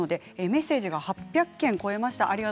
メッセージが８００件を超えました。